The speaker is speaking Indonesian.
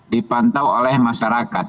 dipantau oleh masyarakat